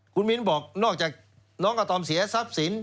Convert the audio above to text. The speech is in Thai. คุณมิ้นบอกนอกจากน้องอาตอมเสียทรัพย์สิน